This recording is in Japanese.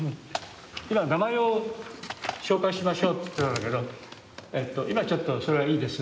今名前を紹介しましょうって言ってたんだけど今ちょっとそれはいいです。